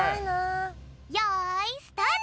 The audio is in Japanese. よいスタート！